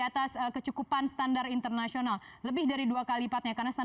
dan arus masuk portfolio sebesar dua dua miliar dollar ataupun capital inflow menjadi juga salah satu faktor lain